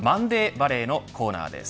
バレーのコーナーです。